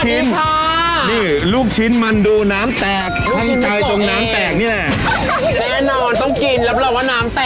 เย้บุ๊บโกะเจ้าหญิงของเราคือพุกโกวันนี้